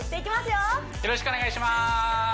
よろしくお願いします